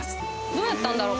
どうやったんだろう？